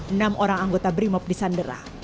enam orang anggota brimo disanderah